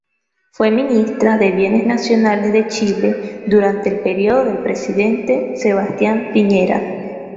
Fue Ministra de Bienes Nacionales de Chile durante el periodo del presidente Sebastián Piñera.